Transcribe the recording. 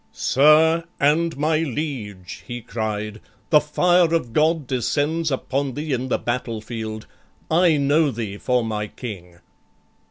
"Sir and my liege," he cried, "the fire of God Descends upon thee in the battle field: I know thee for my King!"